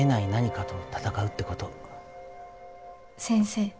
先生。